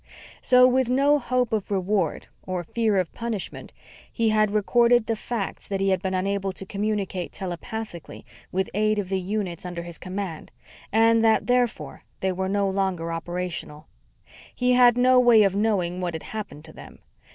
So, with no hope of reward or fear of punishment, he had recorded the facts that he had been unable to communicate telepathically with eight of the units under his command and that, therefore, they were no longer operational. He had no way of knowing what had happened to them.